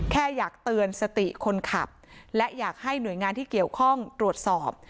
แค่อยากเตือนสติคนขับและอยากให้หน่วยงานที่เกี่ยวข้องตรวจสอบ